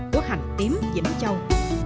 của hành tím vĩnh châu